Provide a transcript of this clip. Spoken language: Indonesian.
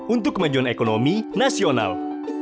untuk kemajuan ekonomi nasional